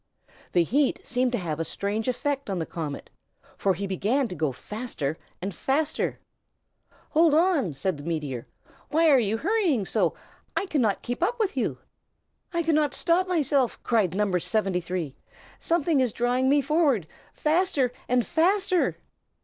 The heat seemed to have a strange effect on the comet, for he began to go faster and faster. "Hold on!" said the meteor. "Why are you hurrying so? I cannot keep up with you." "I cannot stop myself!" cried No. 73. "Something is drawing me forward, faster and faster!"